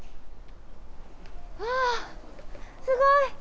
すごい！